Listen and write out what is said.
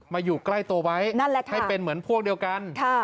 อยู่ใกล้ตัวไว้นั่นแหละค่ะให้เป็นเหมือนพวกเดียวกัน